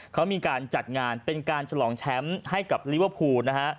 เขามีการจัดงานเป็นการฉลองแชมป์ให้กับลิเวอร์พูลนะฮะ